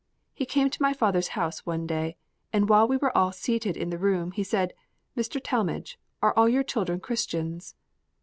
He came to my father's house one day, and while we were all seated in the room, he said: "Mr. Talmage, are all your children Christians?"